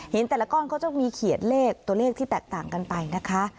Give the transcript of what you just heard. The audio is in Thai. แต่ละก้อนเขาจะมีเขียนเลขตัวเลขที่แตกต่างกันไปนะคะ